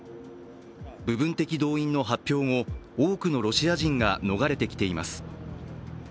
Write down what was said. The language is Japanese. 部分的動員の発表後、多くのロシア人が逃れてきています。